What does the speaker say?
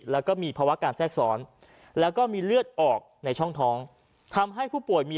แล้วก็มีภาวะการแทรกซ้อนแล้วก็มีเลือดออกในช่องท้องทำให้ผู้ป่วยมี